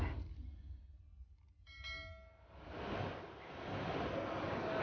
aku ingin lihat album kamu